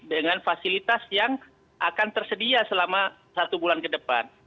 dengan fasilitas yang akan tersedia selama satu bulan ke depan